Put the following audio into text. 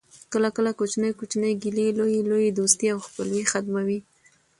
کله کله کوچنۍ کوچنۍ ګیلې لویي لویي دوستۍ او خپلوۍ ختموي